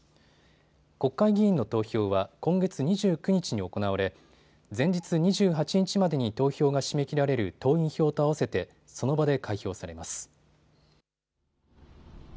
国会議員の投票は今月２９日に行われ、前日２８日までに投票が締め切られる党員票とあわせてその場で開票されます。